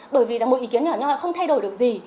bởi vì là một ý kiến nhỏ nhỏ không thay đổi được gì